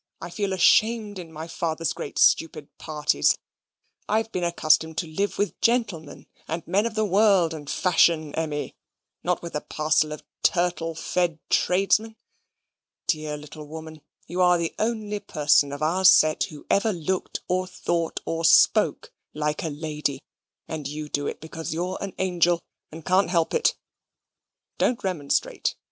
I feel ashamed in my father's great stupid parties. I've been accustomed to live with gentlemen, and men of the world and fashion, Emmy, not with a parcel of turtle fed tradesmen. Dear little woman, you are the only person of our set who ever looked, or thought, or spoke like a lady: and you do it because you're an angel and can't help it. Don't remonstrate.